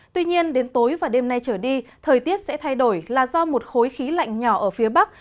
tuy nhiên đến tối và đêm nay trở đi thời tiết sẽ thay đổi là do một khối khí lạnh nhỏ ở phía bắc